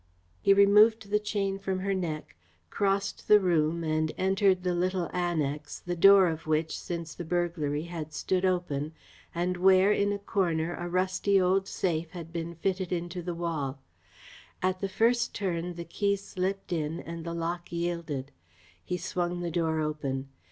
He removed the chain from her neck, crossed the room and entered the little annex, the door of which, since the burglary, had stood open, and where, in a corner, a rusty old safe had been fitted into the wall. At the first turn the key slipped in and the lock yielded. He swung the door open.